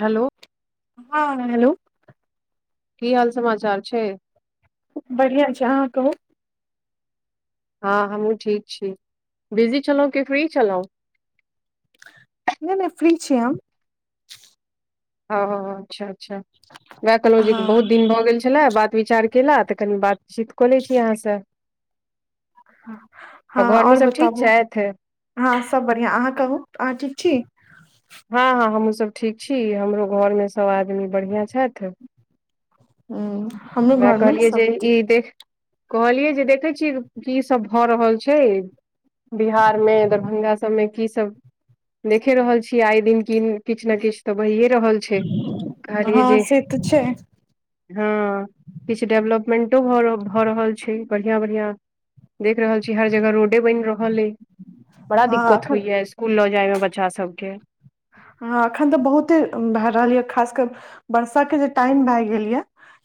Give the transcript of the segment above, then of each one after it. Hello हँ-हँ hello की हाल समाचार छै? बढ़िआँ छै, अहाँ कहू हँ हमहूँ ठीक छी, बिजी छलहुँं की फ्री छलहुँं। नहि-नहि फ्री छि हम। हँ-हँ-हँ अच्छा-अच्छा वैह कहलो जे हँ बहुत दिन भऽ गेल छ छलै बात विचार केला, त कनि बातचीत क लैय छी अहाँसँ। आ हँ-हँ घरमे आओर सब ठीक बताबु छथि हँ सब बढ़ियां, अहाँ कहू अहाँ ठीक छी। हँ-हँ हमहुँसब ठीक छी, हमरो घरमे सब आदमी बढ़ियां छैथ। हम्म हम वैह कहलियै जे ई देख कहलियै जे देखै छियै, की सब भऽ रहल छै। बिहार मे दरभंगा सबमे की सब देखे रहल छियै, आय दिन कि किछ न किछ तऽ भहिये रहल छै कहलिए हँ जे से तऽ छै हँ किछ डेवलपमेंटो भ रहल छै, बढ़िया-बढ़िया देख रहल छी हर जगह रोड डे बनि रहल अय, बड़ा हँ दिक्कत एखन होइ या स्कूल लऽ जाय में बच्चा सब के। ह अखन तऽ बहुते भए रहल य, खासकर बरसा के जे टाइम भय गेल य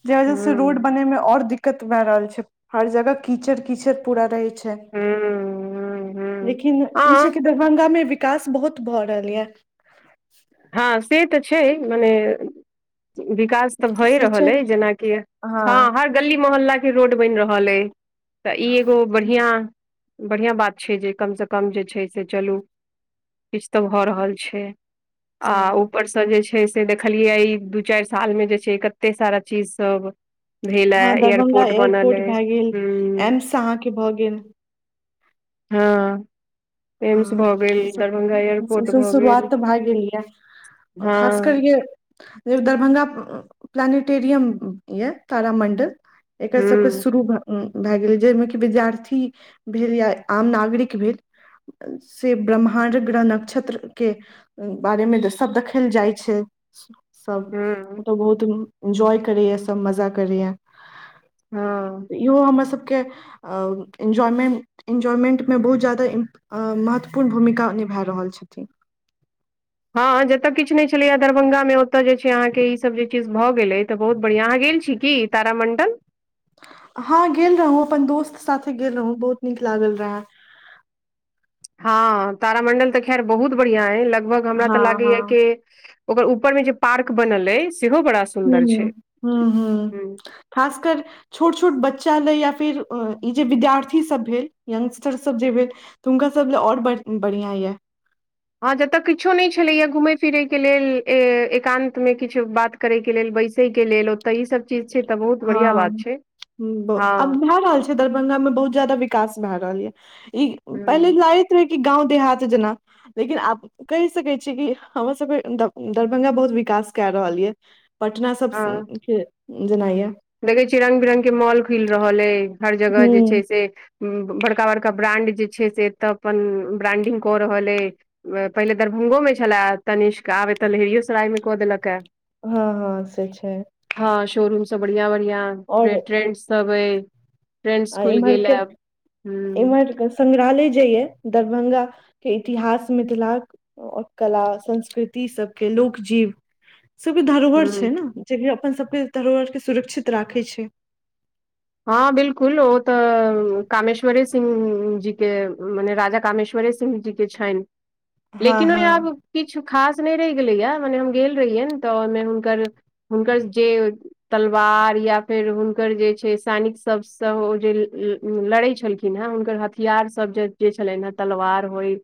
जैं वजह से रोड हूँ बनय मे और दिक्कत भए रहल छै, हर जगह कीचड़ कीचड़ पूरा रहै छैय, हूँ हूँ लेकिन ई छै कि हँ दरभंगामे वि कास बहुत भऽ रहल यैंऽ हँ से त छै मने बिकास तऽ भए से रहल छै अय जेनाकि हँ हर गली मोहल्ला के रोड बनि रहल अय, तऽ ई एगो बढ़ियां बढ़ियाँ बात छ जे कमसँ कम जे छै से चलू किछ तऽ भऽ रहल छै आ हँ ऊपर स जे छै से देखलियै ई, दू चारि साल मे जे छै कते सारा चीज सब भेल हँ दरभंगा हमघएयरपोर्ट एयरपोर्ट बनलै भए गेल हूँ हूँ‌मयं एम्स अहाँके भऽ गेल हँ एम्स हँ भऽ गेल इ सब दरभंगा इ एयरपोर्ट सब भऽ गेल शुरुआत तऽ भए गेल ये ओर हँ खास कर इ जे दरभंगा प्लानेटेरिम ये तारामंडल एकर सबके हूं शुरू भ भए गेल जाहिमे कि विद्यार्थी भेल या आम नागरिक भेल से ब्रह्माण्ड ग्रह नक्षत्र के बारेमे तऽ सभ देखल जाइ छै। सब हूं ओतऽ बहुत इन्जॉय करैया सब मजा करया। हँ। इहो हमरासभके एन्जॉयमें एन्जॉयमेंटमे बहुत ज्यादा इम आ महत्वपूर्ण भूमिका निभा रहल छथिन। हँ जतय किछु नहि छलैया दरभंगा मे ओतय जे छै अहाँके ईसभ जे चीज भऽ गेलै तऽ बहुत बढ़ियाँ। अहाँ गेल छी की? तारामंडल। हँं गेल रहौं अपन दोस्त साथे गेल रहौं बहुत नीक लागल रहे। हँ तारामण्डल तऽ खैर बहुत बढ़ियाँ अइ लगभग हमरा तऽ हँ हँ लागैय कि ओकर ऊपर में जे पार्क बनल अइ सेहो बड़ा हूं सुन्दर छै हूं हूं खासकर छोट छोट बच्चा लए या फेर ई जे विद्यार्थीसभ भेल यंगस्टरसभ जे भेल हुनका सब ला ओ ओर बढ़ि बढ़िया या। हँ जतय किछो नहि छलैया घूमै फिरैके लेल एकान्त मे किछु बात करय के लेल बैसयके लेल ओतय ई सब चीज छै तऽ बहुत बढ़ियाँ हँ बात छै, आब हँ। भए रहल दरभंगा मे बहुत जादा विकास भए रहल या ई पहिले हूँ लइ रै कि गाँव देहात जेना। लेकिन आब कहि सकै छीयै कि हमर सभके दर दरभंगा बहुत विकास कए रहल ये। पटना सब सन हँ के जेना या। देखै छियै रंग बिरंग के मॉल खुलि रहल अइ हर जगह जे छै हूँ से बड़का बड़का ब्रांड जे छै से एतय अपन ब्रांडिंग कऽ रहल अइ। पहिले दरभंगोमे छला तनिष्क आब एतऽ लहेरियोसरायमे कऽ देलक आ। हँ हँ से छै। हँ शोरूम सब बढ़ियाँ बढियाँ फेर और ट्रेंड सब अय। ट्रेंड्स आ, खुइल इम्हर गेल के आ। इम्हर के संग्रहालय जे या दरभंगाके इतिहास मिथिलाक और कला संस्कृति सभके लोक जीव सबके धरोहर छै हूँ ने जेकि अपन सबके धरोहर के सुरक्षित राखेय छै। हँ बिल्कुल ओ तऽ कामेश्वरे सिंह जी के मने राजा कामेश्वरे सिंह जी के छैन हँ लेकिन ओहि हँ आब किछु खास नहि रहि गेलैया मने हम गेल रहियनि तऽ ओहिमे हुनकर हुनकर जे तलवार या फेर हुनकर जे छै से सैनिक सबस ओ जे लड़ेय छलखिन हहै हुनकर हथियार सब जे जे छलै है तलवार होइ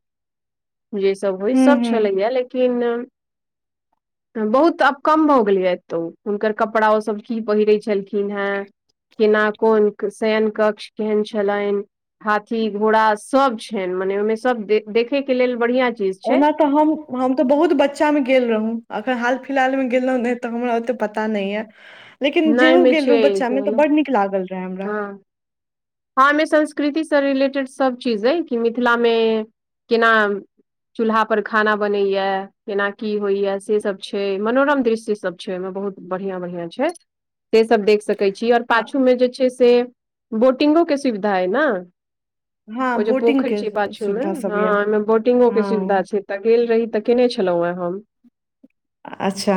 जे सब होइ हूं सब हूं छलैया लेकिन बहुत आब कम भऽ गेलया एतौ हुनकर कपड़ा ओ सब की पहिरे छलखि खीन हैं। केना कोन शयन कक्ष केहन छलनि। हाथी घोड़ा सब छैन मने ओहिमे सब देखे के लेल बढ़िया चीज छै ओना तऽ हम हम तऽ बहुत बच्चा में गेल रहौ अखन हाल फिलहाल मे गेल नै ते हमरा ओते पता न या। लेकिन नहि जेहु मे गेल छै रहौ बच्चा में तऽ हँ बड नीक लागल रहे हमरा। हँ एइ मे संस्कृति सँ रिलेटेड सब चीज अइ कि मिथिलामे केना चूल्हा पर खाना बनैये केना की होइये से सब छै मनोरम दृश्य सब छै ओइ मे बहुत बढ़ियां -बढ़ियां छै से सब देख सक कै छी और हँ पाछू मे जे छै से बोटिंगो के सुविधा अइ ने। हँ ओ जे पोखरि बोटिंगके छै पाछू मे सुविधा सब हँ यऽ ओइमे बोटिंगो के सुविधा हँ छै। तऽ गेल रही तऽ केने छलहुँ हे हम। अच्छा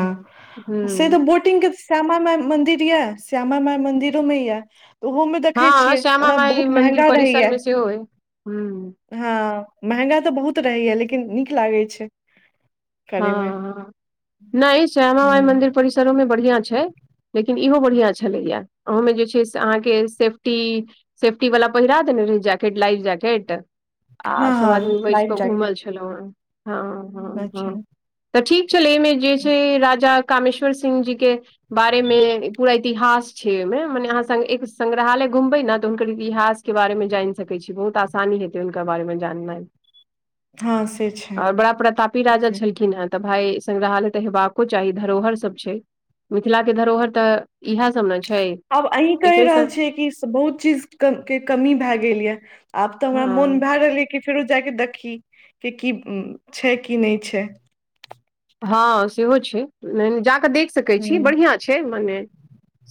से तऽ हूँ बोटिं बोटिंग के श्यामा माय मन्दिर यऽ श्यामा माइ मंदिरो में यऽ। ओहो मे देखै हँ छियै श्यामा ओना माई बहुत मंदिर महंगा परिसर रहैये। मे सेहो अइ हूँ हँ महंगा तऽ बहुत रहैये लेकिन नीक लागै छै। करैमे हँ नै श्यामा माइ हूं मन्दिर परिसरो में बढ़ियां छै। लेकिन इहो बढ़िया छलैये अहूमे जे छै से अहाँके सेफ्टी सेफ्टी बला पहिरा देने रहै जैकेट लाइभ जैकेट आ हँ सब हँ आदमी बैस क लाइफ जैकेट घुमल छै। हेलो हँ। हँ हँ अच्छा। तऽ ठीक छलै एहिमे जे छै राजा कामेश्वर सिंह जी के बारे मे पूरा इतिहास छै ओइमे मने अहाँ संग एक संग्रहालय घुमबै ने तऽ हुनकर इतिहास के बारे मे जानि सकै छी बहुत आसानी हेतै हुनका बारे मे जाननाइ। हँ से आ ओ छै बड़ा प्रतापी राजा छल खिन हें तऽ भाय संग्रहालय तऽ हेबाको चाही धरोहर सब छै। मिथिला के धरोहर तऽ इहेए सब ने छै। आब अहीं कहि एकरे रहल सब छियै कि बहुत चीज क के कमी भेए गेल यऽ। आब तऽ हमरा मोन हँ भेए रहल ए कि फेरो जाके देखी कि, की छै कि नै छै। हँ सेहो छै जा कऽ देख सकै छी हुँ बढ़ियां छै मने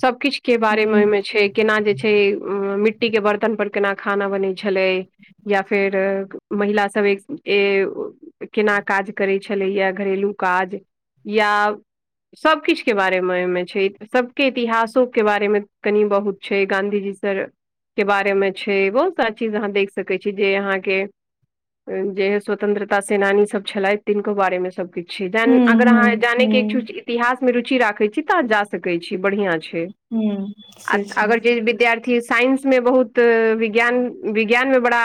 सबकिछ के बारे मे हुँ ओइमे छै केना जे छै मिट्टी के बर्तन पर केना खाना बनै छलै। या फेर महिला सब एक- स-ए केना काज करै छलैये घरेलू काज या सब किछ के बारेमे ओइमे छै सबके इतिहासो के बारे मे कनी बहुत छै गाँंधी जी से के बारे मे छै बहुत सारा चीज अहाँ देख सकै छी जे अहाँके जे स्वतंत्रता सेनानी सब छलथि तिनको बारे मे सबकिछ छै जहन हुँ अगर हुँ अहाँ जानै के इच्छु हुँ छी इतिहास में रुचि राखै छी तहन जा सकै छी बढ़ियां छै। हुँ से छै अगर जे विद्यार्थी साइंस मे बहुत विज्ञान- विज्ञान मे बड़ा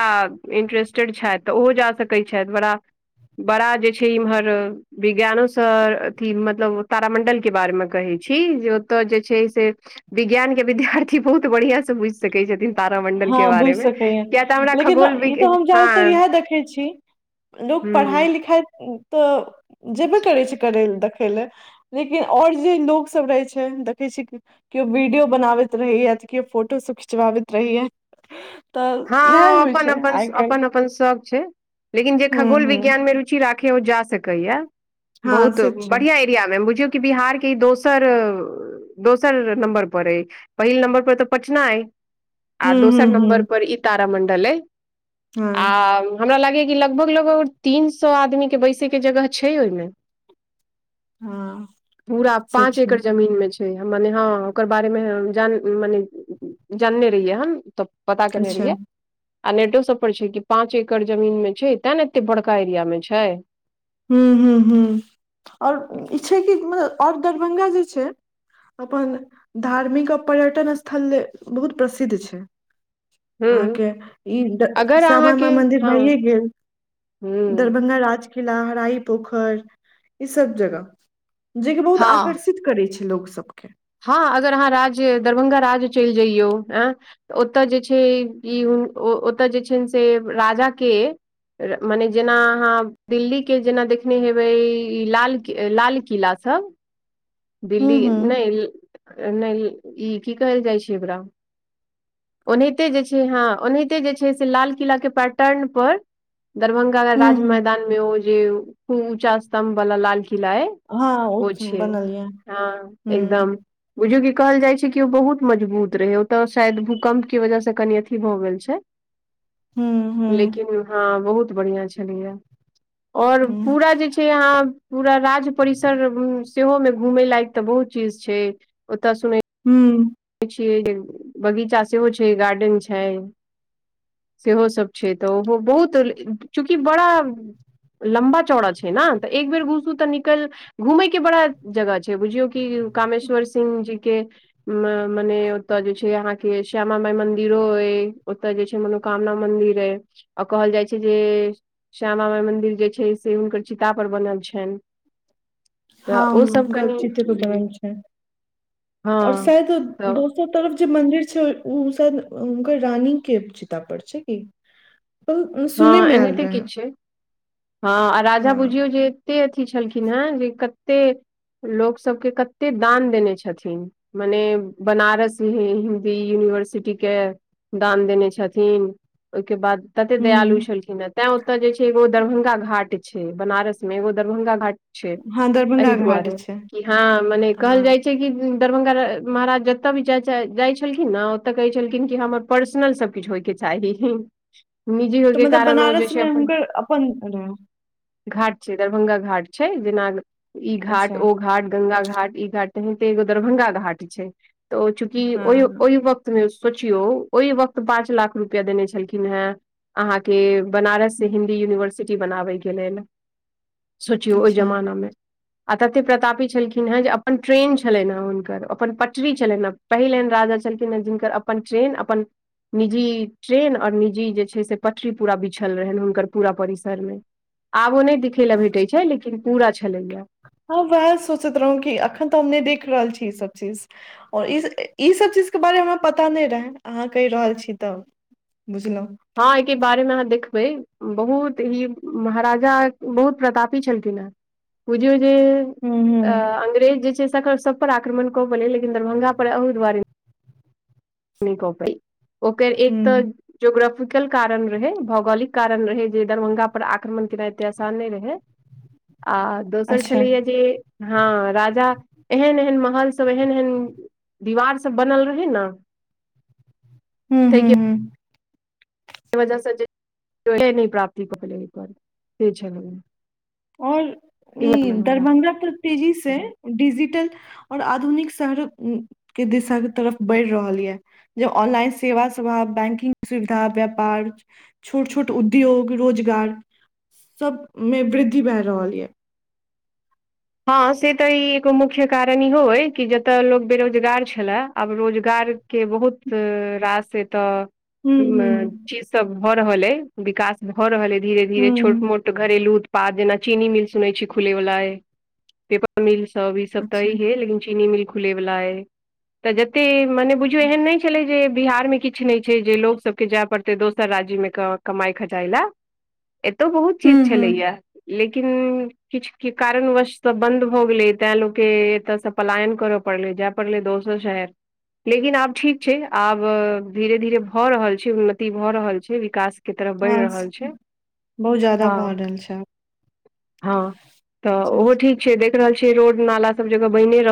इन्टरेस्टेड छथि तऽ ओहो जा सकै छथि बड़ा- बड़ा जे छै इमहर विज्ञानो स अथी मतलब तारामण्डल के बारेमे कहै छी जे ओतऽ जे छै से विज्ञान के विद्यार्थी बहुत बढ़ियां से बुझ सकै छथिन तारामण्डल के हँ बारे बुझि में सकैये किया तऽ हमरा लेकिन खगोल ई विज्ञा तऽ हम ज्यादातर हँ। इएह देखै छी लोक पढ़ाइ- हूँ लिखाइ तऽ जेबे करै छै करै ले देखै ले। लेकिन और जे लोकसब रहै छै देखै छियै कि कियो वीडियो बनाबैत रहैये तऽ कियो फोटोसब खिचबाबैत रहैये। तऽ हँ ओ इएह होइ अपन - छै अपन आइ स काल्हि अपन -अपन सख छै। लेकिन जे हूँ खगोल हूँ विज्ञान मे रुचि राखैये ओ जा सकैये हँ बहुत से छै बढ़ियां ई बुझियौ कि बिहार के ई दोसर दोसर नम्बर पर अइ पहिल नम्बर पर तऽ पटना अइ। आ हूँ हूँ दोसर हूँ नम्बर पर ई तारामण्डल अइ आ। हँ [unintelligible] हमरा लागैया कि लगभग लगभग तीन सौ आदमी के बैसे के जगह छै ओहिमे [unintelligible] हँ पूरा से पाँच छै एकड़ जमीन में छै। [unintelligible] मने हँ ओकर बारेमे ह जान मने जानने रहियै हम तऽ। पता केने अच्छा रहियै। आ नेटो सब पर छै कि पाँंच एकड़ जमीन में छै तें ने एते बड़का एरिया में छै। [unintelligible] ह्म ह ह आओर ई छै कि मतल आओर दरभंगा जे छै। अपन धार्मिक आ पर्यटन स्थल बहुत प्रसिद्ध छै। हूँ अहाँके ई अगर श्यामा मा अहाँके मंन्दिर हँ भइए गेल। हूँ दरभंगा राज। लहराइ पोखर ई सब जगह जे कि बहुत हँ आकर्ष। निश करै छै लोक सबके। हँ अगर अहाँ राज्य दरभ्ंगा राज्य चलि जइयौ एँय। ओतय जे छै ई हु ओतय जे छै ने से राजा के मने जेना अहाँ दिल्लीके जेना देखने हेबै ई लाल लाल किलासभ। दिल्ली हूँ हूँ नहि नहि ई की कहल जाइ छै ओकरा? ओनाहिते जे छै हँ ओनाहिते जे छै से लाल किलाके पटन परर दरभंगा हूँ राज हूँ मैदान मे ओ जे खूब ऊँचा स्तम्भ वला लाल किला अय हँ ओ बनलऐ। हँ एकदम। बुझो की कहल जाइ छै कि ओ बहुत मजबूत रहे ओ तऽ शायद भूकम्प के वजह से कनि अथि भऽ गेल छै। हूँ हूँ लेकिन हँ बहुत बढ़िआ छलैया आओर हुं पूरा जे छे से आ ह पूरा राज परिसर सेहो मे। घूमे लायक तऽ बहुत चीज छै ओत सुने। हू देख छियै जे बगीचा सेहो छै गार्डेन छै। सेहो सब छै तऽ ओहो बहुत चूँकि बड़ा लम्बा चौड़ा छै ने तऽ एक बेर घुसू तऽ निकल घुमय के बड़ा जगह छै बुझियौ कि कामेश्वर सिंह जी के मने ओतय जे छै अहाँके श्यामा माई मंदिरो हय ओतय जे छै मनोकामना मंदिर हय आओ कहल जाइ छै जे श्यामा माइ मंन्दिर जे छै से हुनकर चिता परर बनल छनि। तऽ हँ ओ सब ग कनि चित्र ग छै हँ आओर शायद तऽ दोस सब तरफ जे मंन्दिर छै ओ सब हुनकर रानी के चितित पर छै कि सुनै हँ मे आयल एनाहिते रहे किछु छै हँ आ राजा हँ बुझियौ जे कते अथी छलखिन हे जे कते लोक सबके कते दान देने छथिन। मने बनारस ह हिन्दी यूनिवर्सिटी के दान देने छथिन ओहिके बाद एते दयालु हुं छलखिन हे तैं ओतय जे छै एगो दरभंगा घाट छै बनारस मे एगो दरभंगा घाट छै हँ एहि दरभंगा घाट दुआरे छै कि हँ मने कहल हँ जाइ छै। दरभंगा महाराज जतय भी जा जाइ छलखिन ने ओतय कहै छलखिन कि हमर पर्सनल सब किछु होयके चाही। निजी तऽ होगै मतलब कारण हो ज बनारस छै मे अपन हुनकर अपन रहै [unintelligible] घाट छै दरभंगा घाट छै जेना ई घाट अच्छा ओ घाट ग्ंगा घाट ई घाट। तनैहिते एगो दरभंगा घाट छै, तऽ ओ चूँकि हँ ओहि वक्त। सोचियौ ओहि वक्त पाँच लाख रुपआ देने छलखिन हे अहाँके। बनारस से हिन्दी यूनिवर्सिटी बनाबै के लैल सोचियो ओहि अच्छा जमाना मे। आ तते प्रतापी छलखिन हेँ, जे अपन ट्रेन छलइन हे हुनकर अपन पटरी छलइन हे। पहिल एन राजा छलखिन ह जिनकर अपन ट्रेन अपन निजी ट्रेन और निजी। से जे छय पटिड़ी पूरा बिछल रहेन हुनकर पूरा परिसरमे आबो ओ नै खेल ल भेटे छै लेकिन पूरा छलेया। हँ वएह सोचैत रहौ, कि अखन तऽ हम नहि देख रहल छी, ई सब चीज। आओर ई ईसभ चीजके बारेमे हमरा पता नहि रहय अहाँ कहि रहल छी तब। बुझल। हँ एहिके बारे मे अहाँ देखबै। बहुत ही महाराजा बहुत प्रतापी छलखिन हेँ, बुझियौ जे हुं अ हुं अंग्रेज जे छै, सेकर सब पर आक्रमण कऽ, पले लेकिन दरभंगा पर अहु दुआरे नई कऽ पइ ओकर एक तऽ हुँ ज्योग्राफीकल कारण रहै, भौगोलिक कारण रहै जे दरभंगा पर आक्रमण केनाइ एते आसान नहि रहै, आ दोसर अच्छा छलैया जे हँ राजा एहन - एहन महल सब एहन - एहन दीवार सब बनल रहै न, हूं -हूं -हूं बज स नहि प्राप्ति पकल एक बर से छै लग [unintelligible] और ई दरभंगा तऽ तेजी से डिजिटल ओर आधुनिक शहर के दिशाके तरफ बढ़ि रहल यए जे ऑनलाइन सेवा साव बैंकिंग सुविधा व्यापार छोट - छोट उद्योग रोजगार सबमे वृद्धि भेए रहल यए हँ से तऽ ई एगो मुख्य कारण इहो अइ कि जतय लोक बेरोजगार छलए, आब रोजगार के बहुत रास एतऽ हुँ, हुँ, चीज सब भऽ रहल अइ विकास भऽ रहल अइ धीरे -धीरे छोट हुँ मोट घरेलू उत्पाद जेना चीनी मिल सुनै छीयै खुले वला अय। पेपर मिल सब ई सब तऽ, अच्छा अई है लेकिन चीनी मिल खुले वला अय तऽ जते मने बुझियौ एहन नइ छलै जे बिहारमे कि किछ नइ छै जे लोक सबके जाय पड़तै दोसर राज्यमे कमाइ खटाइ लए। एतौ बहुत चीज हुँ, हुँ छलैया लेकिन किछ के कारण वश सब बंन्द भऽ गेलै तैं लोकके एतऽसँ पलायन करय पड़ले जाय पड़ले दोसर शहर लेकिन आब ठीक छै, आब धीरे - धीरे भऽ रहल छै उन्नति भऽ रहल छै, विकास के तरफ बढ़ि हाँ रहल छै, बहुत ज्यादा भऽ हँ रहल छै हँ तऽ आब। ओहो ठीक छै, देख रहल छियै रोड नाला सब जगह बने रहल